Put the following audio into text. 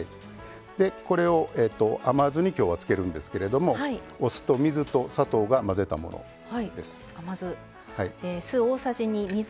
これを甘酢に今日は、つけるんですけどお酢と水と砂糖が混ぜたものです。